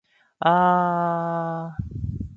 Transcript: あああああああああああ